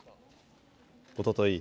おととい